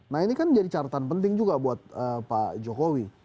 nah ini kan jadi catatan penting juga buat pak jokowi